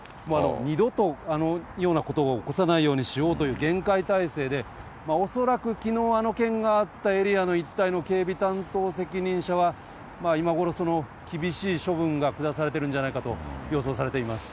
二度とあのようなことを起こさないようにしようという厳戒態勢で、恐らくきのう、あの件があったエリアの警備担当責任者は、今ごろ、厳しい処分が下されてるんじゃないかと予想されています。